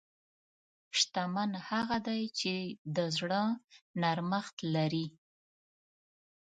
شتمن هغه دی چې د زړه نرمښت لري.